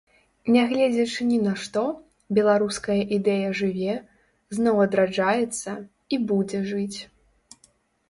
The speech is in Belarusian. Нягледзячы ні на што, беларуская ідэя жыве, зноў адраджаецца і будзе жыць!